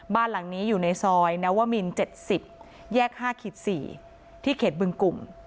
บ้านหลังนี้อยู่ในซอยนวมิน๗๐แยก๕๔ที่เขตบึงกลุ่ม